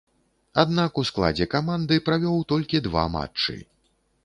Аднак, у складзе каманды правёў толькі два матчы.